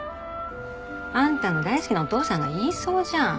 あんたの大好きなお父さんが言いそうじゃん。